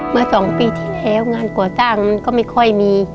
เมื่อ๒ปีที่แล้วงานก่อสร้างมันก็ไม่ค่อยมี